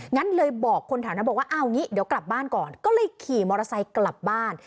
งั้นเลยบอกคนแถวนั้นบอกว่าเอางี้เดี๋ยวกลับบ้านก่อนก็เลยขี่มอเตอร์ไซค์กลับบ้าน